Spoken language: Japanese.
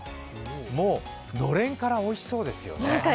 もうのれんから、おいしそうですよね。